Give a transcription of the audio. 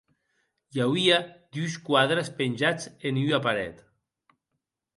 I auie dus quadres penjats en ua paret.